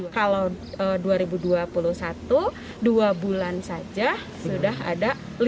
kalau dua ribu dua puluh satu dua bulan saja sudah ada